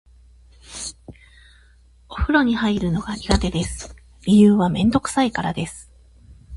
お風呂に入るのが苦手です。理由はめんどくさいからです。